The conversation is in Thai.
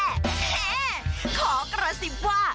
เอ๊ะขอกระสิบว่า